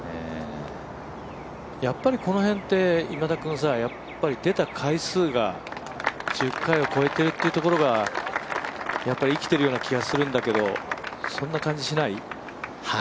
やっぱりこの辺って、出た回数が１０回を超えているというところが生きてるような気がするんだけどそんな感じしない？